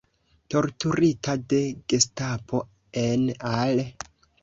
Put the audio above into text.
Torturita de gestapo en Al.